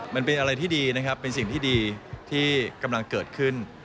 มันเป็นอะไรที่ดีนะครับเป็นสิ่งที่ดีที่กำลังเกิดขึ้น